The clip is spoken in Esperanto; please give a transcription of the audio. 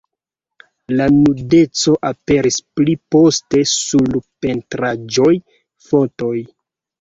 La nudeco aperis pli poste sur pentraĵoj, fotoj.